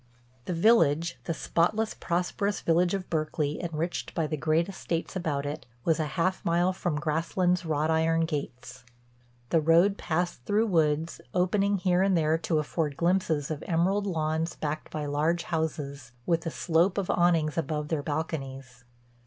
The village—the spotless, prosperous village of Berkeley enriched by the great estates about it—was a half mile from Grasslands' wrought iron gates. The road passed through woods, opening here and there to afford glimpses of emerald lawns backed by large houses, with the slope of awnings above their balconies.